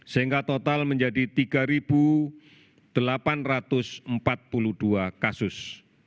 sehingga total menjadi tiga delapan ratus empat puluh dua kasus